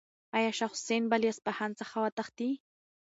آیا شاه حسین به له اصفهان څخه وتښتي؟